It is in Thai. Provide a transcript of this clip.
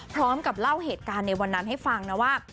พร้อมกับเล่าเหตุการณ์ในวันนั้นให้ฟังนะว่า